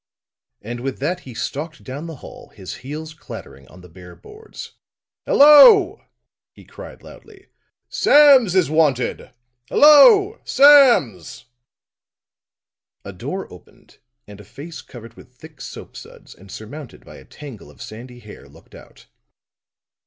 And with that he stalked down the hall, his heels clattering on the bare boards. "Hello," he cried loudly. "Sams is wanted! Hello, Sams!" A door opened, and a face covered with thick soap suds and surmounted by a tangle of sandy hair looked out.